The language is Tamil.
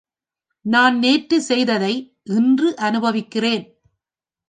நான் நேற்றுச்செய்ததை இன்று அனுபவிக்கிறேன்.